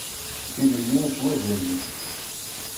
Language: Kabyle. Tilelli s wazal-is.